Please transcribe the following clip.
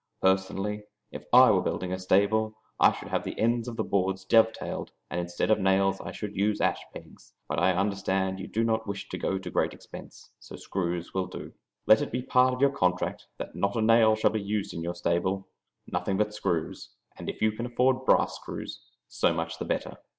Personally, if I were building a stable I should have the ends of the boards dovetailed, and instead of nails I should use ash pegs, but I understand you do not wish to go to great expense, so screws will do. Let it be part of your contract that not a nail shall be used in your stable nothing but screws, and if you can afford brass screws, so much the better.